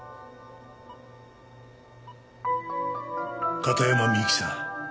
片山みゆきさん